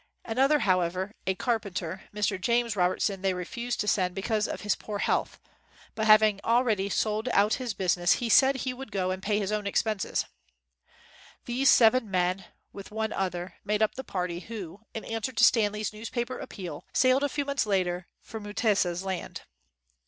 Another, however, a carpenter, Mr. James Robertson, they refused to send be 25 WHITE MAN OF WORK cause of his poor health ; but, having already sold out his business, he said he would go and pay his own expenses. These seven men, with one other, made up the party who in answer to Stanley's newspaper appeal sailed a few months later for Mutesa 's land.